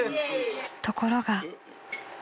［ところが］